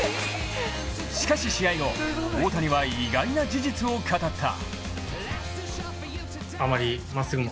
しかし試合後大谷は意外な事実を語った。